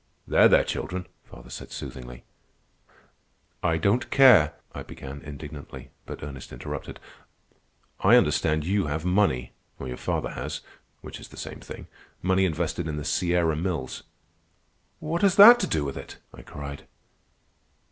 "There, there, children," father said soothingly. "I don't care—" I began indignantly, but Ernest interrupted. "I understand you have money, or your father has, which is the same thing—money invested in the Sierra Mills." "What has that to do with it?" I cried.